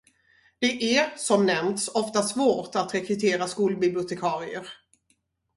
Det är, som nämnts, ofta svårt att rekrytera skolbibliotekarier.